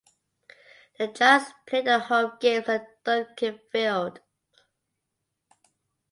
The Giants played their home games at Duncan Field.